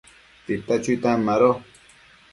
tita chuitan mado